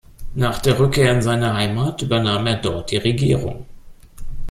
Nach der Rückkehr in seine Heimat übernahm er dort die Regierung.